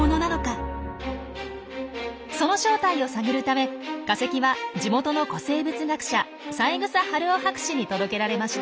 その正体を探るため化石は地元の古生物学者三枝春生博士に届けられました。